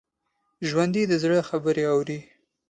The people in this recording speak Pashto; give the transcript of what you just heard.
ژوندي د زړه خبرې اوري